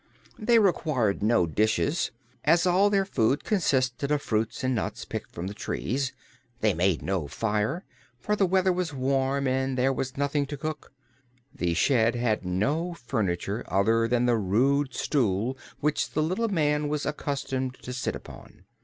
They required no dishes, as all their food consisted of fruits and nuts picked from the trees; they made no fire, for the weather was warm and there was nothing to cook; the shed had no furniture other than the rude stool which the little man was accustomed to sit upon.